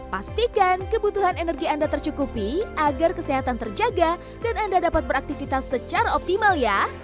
pastikan kebutuhan energi anda tercukupi agar kesehatan terjaga dan anda dapat beraktivitas secara optimal ya